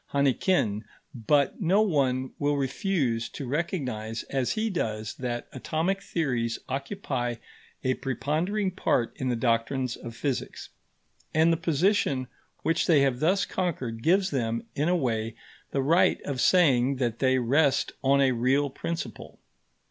Hannequin, but no one will refuse to recognise, as he does, that atomic theories occupy a preponderating part in the doctrines of physics; and the position which they have thus conquered gives them, in a way, the right of saying that they rest on a real principle.